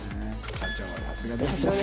社長はさすがですね。